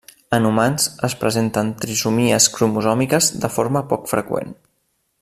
En humans es presenten trisomies cromosòmiques de forma poc freqüent.